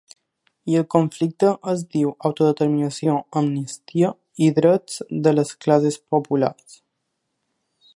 I el conflicte es diu autodeterminació, amnistia i drets de les classes populars.